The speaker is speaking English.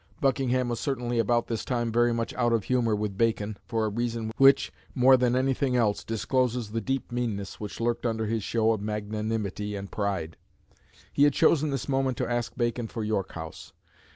Buckingham was certainly about this time very much out of humour with Bacon, for a reason which, more than anything else, discloses the deep meanness which lurked under his show of magnanimity and pride. He had chosen this moment to ask Bacon for York House.